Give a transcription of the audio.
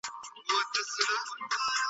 یو بلبل وو د ښکاري دام ته لوېدلی .